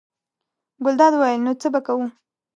ګلداد وویل: نو څه به کوو.